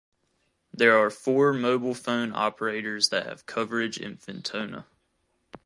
There are four mobile phone operators that have coverage in Fintona.